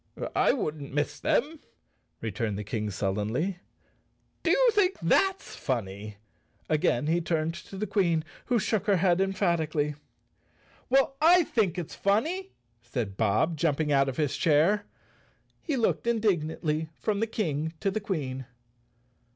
"I wouldn't miss 'em," replied the King sullenly. "Do you think that's funny?" Again he turned to the Queen, who shook her head emphatically. "Well, I think it's funny!" said Bob, jumping out of his chair. He looked indignantly from the King to the Queen.